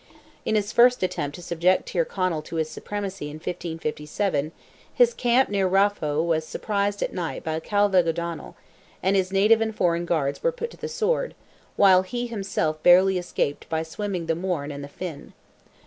In his first attempt to subject Tyrconnell to his supremacy in 1557, his camp near Raphoe was surprised at night by Calvagh O'Donnell, and his native and foreign guards were put to the sword, while he himself barely escaped by swimming the Mourne and the Finn.